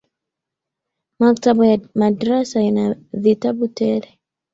Makitaba ya madirasa ina dhitabu tele